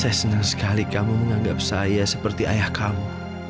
saya senang sekali kamu menganggap saya seperti ayah kamu